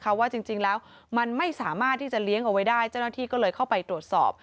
เพราะว่าจริงแล้วมันไม่สามารถที่จะเลี้ยงเอาไว้ได้เจ้าหน้าที่ก็เลยเข้าไปตรวจสอบ